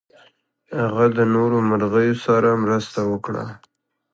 هغه د نورو مرغیو سره مرسته وکړه.